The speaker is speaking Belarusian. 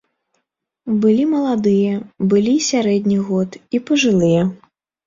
Былі маладыя, былі і сярэдніх год, і пажылыя.